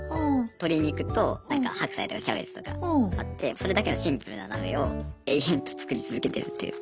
鶏肉となんか白菜とかキャベツとか買ってそれだけのシンプルな鍋を延々作り続けてるという。